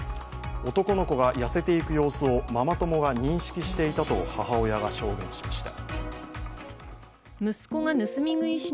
男の子が痩せていく様子をママ友が認識していたと母親が証言しました。